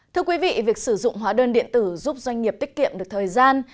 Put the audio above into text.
thưa quý vị việc sử dụng hóa đơn điện tử giúp doanh nghiệp tiết kiệm được thời gian